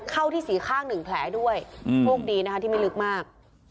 เข้าที่สีข้างหนึ่งแผลด้วยโชคดีนะคะที่ไม่ลึกมาก